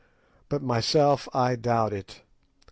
But, myself, I doubt it.